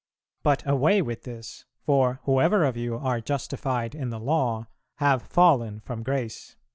.... But away with this, for whoever of you are justified in the Law have fallen from grace."